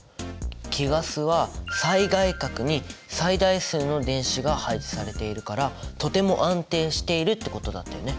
貴ガスは最外殻に最大数の電子が配置されているからとても安定しているってことだったよね。